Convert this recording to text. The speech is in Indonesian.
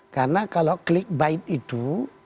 karena kalau klik bait itu